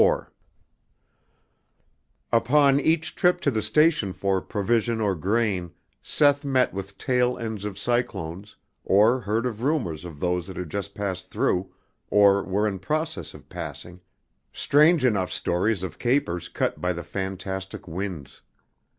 Upon each trip to the station for provision or grain Seth met with tail ends of cyclones, or heard of rumors of those that had just passed through, or were in process of passing, strange enough stories of capers cut by the fantastic winds.